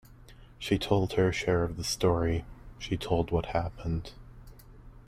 She told her share of the story — she told what happened.